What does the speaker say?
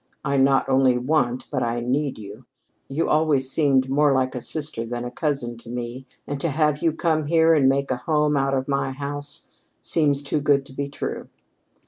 I not only want, but I need, you. You always seemed more like a sister than a cousin to me, and to have you come here and make a home out of my house seems too good to be true.